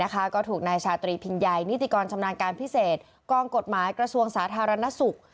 ก็ถูกนายชาตรีพิงใยนิติกรชำนาญการพิเศษกองกฎหมายกระทรวงสาธารณสุข